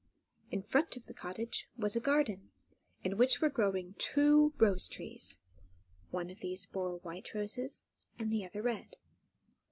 In front of the cottage was a garden, in which were growing two rose trees; one of these bore white roses, and the other red.